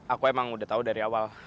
aku emang udah tau dari awal